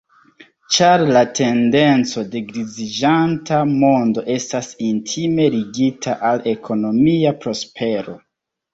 Ĉar la tendenco de griziĝanta mondo estas intime ligita al ekonomia prospero.